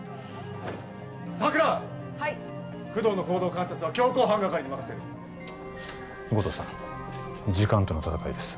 佐久良はい工藤の行動観察は強行犯係に任せる護道さん時間との戦いです